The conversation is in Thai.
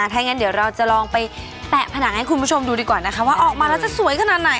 ถ้างั้นเดี๋ยวเราจะลองไปแตะผนังให้คุณผู้ชมดูดีกว่านะคะว่าออกมาแล้วจะสวยขนาดไหน